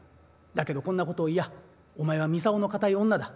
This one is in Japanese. だけどこんなことを言やお前は操の堅い女だ。